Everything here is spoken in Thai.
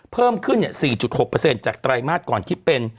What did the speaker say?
เพิ่มขึ้น๔๖จากไตรมาสก่อนคิดเป็น